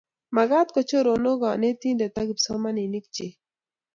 Makat kochoronok kanetundet ak kipsomaninik chik